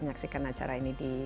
menyaksikan acara ini di